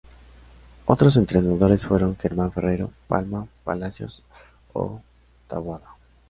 Otros entrenadores fueron: Germán Ferrero, Palma, Palacios o Taboada.